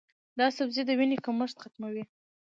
دا سبزی د وینې کمښت ختموي.